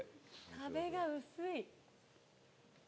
壁が薄い！